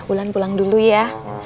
ulan pulang dulu ya